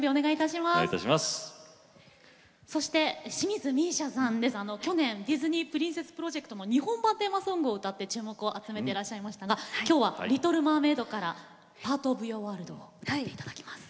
そして、清水美依紗さんは去年、ディズニープリンセス・プロジェクトの日本版テーマソングを歌って注目を集めてらっしゃいましたがきょうは「リトル・マーメイド」から「パート・オブ・ユア・ワールド」を歌っていただきます。